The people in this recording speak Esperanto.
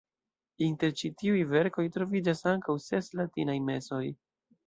Inter ĉi tiuj verkoj troviĝas ankaŭ ses latinaj mesoj.